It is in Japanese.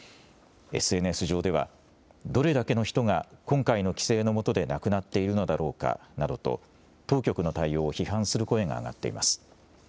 ＳＮＳ上ではどれだけの人が今回の規制のもとで亡くなっているのだろうかなどと当局の対応を批判する声が上がっています。